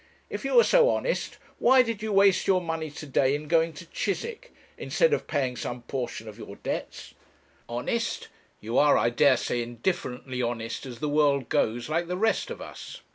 If you are so honest, why did you waste your money to day in going to Chiswick, instead of paying some portion of your debts? Honest! you are, I dare say, indifferently honest as the world goes, like the rest of us.